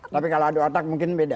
tapi kalau adu otak mungkin beda